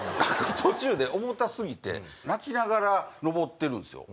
途中で重た過ぎて泣きながら上ってるんすよ。